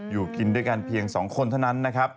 อยู่กินด้วยกันเพียงสองคนเท่านั้น